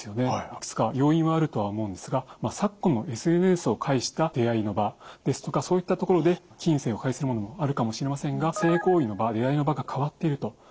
いくつか要因はあるとは思うんですが昨今のＳＮＳを介した出会いの場ですとかそういったところで金銭を介するものもあるかもしれませんが性行為の場出会いの場が変わっていると。